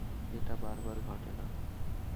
এটা বারবার ঘটে, না।